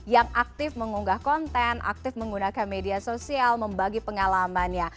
yang aktif mengunggah konten aktif menggunakan media sosial membagi pengalamannya